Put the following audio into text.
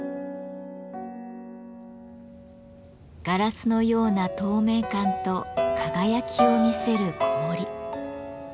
ガラスのような透明感と輝きを見せる氷。